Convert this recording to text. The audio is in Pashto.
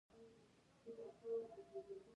او د سړي نفس يې ورټنگاوه.